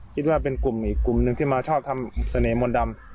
คิดเป็นกลุ่มอีกกลุ่มหนึ่งที่เมาชอบทำกลัวสนีมัวมันดำ